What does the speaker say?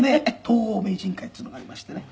「東宝名人会っていうのがありましてね